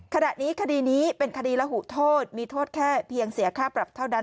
คดีนี้เป็นคดีระหูโทษมีโทษแค่เพียงเสียค่าปรับเท่านั้น